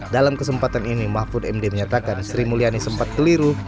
dalam kesempatan ini mahfud md menyatakan sri mulyani sempat keliru